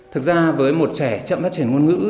thực ra với một trẻ chậm phát triển ngôn ngữ